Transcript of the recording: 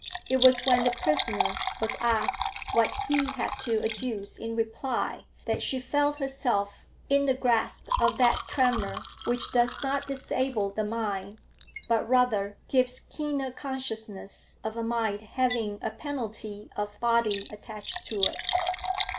It was when the prisoner was asked what he had to adduce in reply that she felt herself in the grasp of that tremor which does not disable the mind, but rather gives keener consciousness of a mind having a penalty of body attached to it.